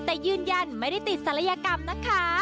แต่ยืนยันไม่ได้ติดศัลยกรรมนะคะ